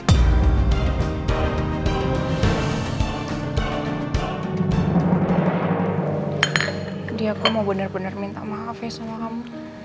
jadi aku mau benar benar minta maaf ya sama kamu